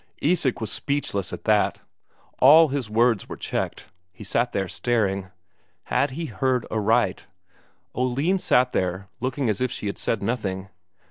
Isak was speechless at that; all his words were checked, he sat there staring. Had he heard aright? Oline sat there looking as if she had said nothing.